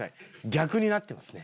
逆になってますね。